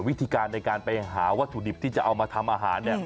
วิธีการในการไปหาวัตถุดิบที่จะเอามาทำอาหาร